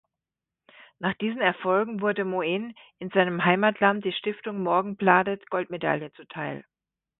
Nach diesen Erfolgen wurde Moen in seinem Heimatland die Stiftung-Morgenbladet-Goldmedaille zuteil.